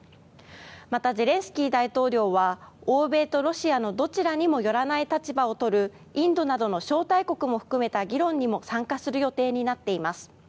またゼレンスキー大統領は欧米とロシアのどちらにも寄らない立場をとるインドなどの招待国も含めた議論にも参加する予定になっています。